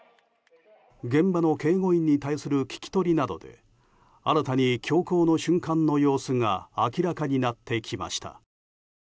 現場の警護員に対する聞き取りなどで新たに凶行の瞬間の様子が明らかになってきました。